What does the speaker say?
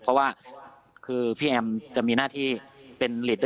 เพราะว่าพี่แอมจะมีหน้าที่เป็นลีดเดอร์